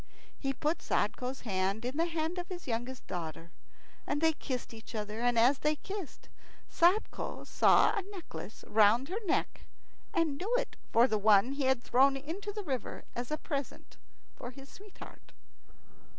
He put Sadko's hand in the hand of his youngest daughter, and they kissed each other. And as they kissed, Sadko saw a necklace round her neck, and knew it for one he had thrown into the river as a present for his sweetheart.